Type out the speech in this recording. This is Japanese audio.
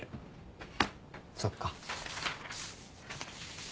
そっか。